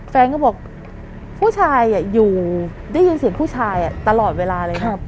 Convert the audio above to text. แฟนก็บอกผู้ชายอยู่ได้ยินเสียงผู้ชายตลอดเวลาเลย